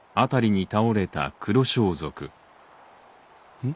うん？